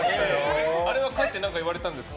あれは帰って何か言われたんですか？